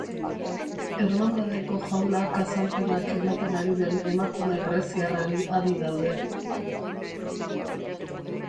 Ermandadeko jaunak azalpenak ematen ari den emakume greziarrari adi daude.